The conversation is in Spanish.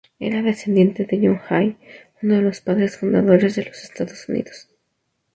Era descendiente de John Jay, uno de los Padres Fundadores de los Estados Unidos.